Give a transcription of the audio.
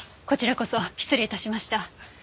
こちらこそ失礼致しました。